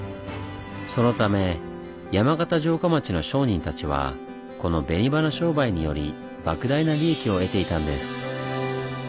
そのため山形城下町の商人たちはこの紅花商売により莫大な利益を得ていたんです。